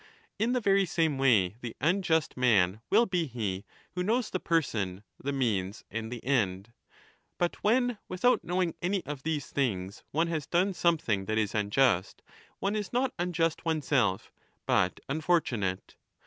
In the very same way the unjust man will be he who knows the person, the means, and the end. But when without knowing any of these things one has done something that is unjust, one is not unjust oneself, ao but unfortunate.